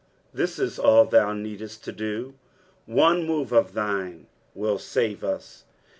This is all thou needest to do, one move of thine wilt save ua.